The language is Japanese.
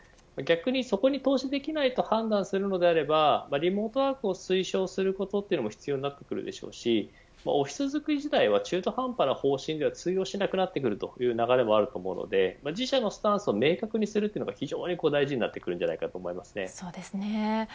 そこに投資できないと判断するのであればリモートワークを推奨するということも必要になってくるでしょうしオフィス作り自体は中途半端な方針では通用しなくなってくると思うので自社のスタンスを明確にすることが非常に大事になってくると思います。